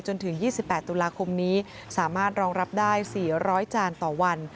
จนถึง๒๘ตุลาคมนี้สามารถรองรับได้๔๐๐จานต่อวัน